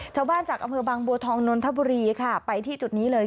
ชาวบ้านจากอำ๙๑๑บวทนนทบุรีไปที่จุดนี้เลย